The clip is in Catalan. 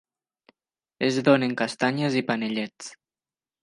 Es donen castanyes i panellets.